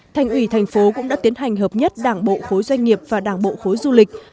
thành ủy thành phố cũng đã tiến hành hợp nhất đảng bộ khối doanh nghiệp và đảng bộ khối du lịch